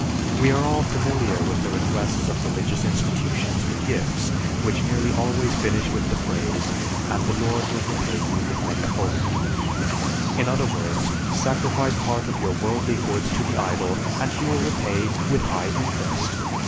We are all familiar with the requests of religious institutions for gifts, which nearly always finish with the phrase, "And the Lord will repay you many fold." In other words, sacrifice part of your worldly goods to the idol, and he will repay with high interest.